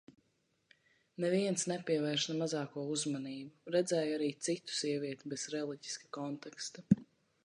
Neviens nepievērš ne mazāko uzmanību. Redzēju arī citu sievieti bez reliģiska konteksta.